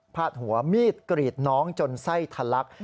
ดหัวมีดกรีดน้องจนไส้ทะลัก